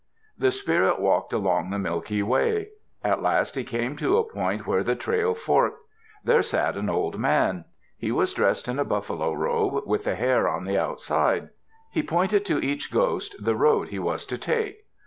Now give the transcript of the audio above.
The spirit walked along the Milky Way. At last he came to a point where the trail forked. There sat an old man. He was dressed in a buffalo robe, with the hair on the outside. He pointed to each ghost the road he was to take.